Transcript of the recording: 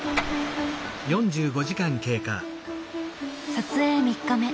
撮影３日目。